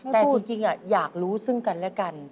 แต่จริงอยากรู้ซึ่งกันและกัน